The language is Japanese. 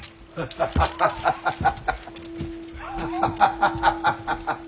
ハハハハハハハハ。